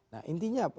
nah intinya apa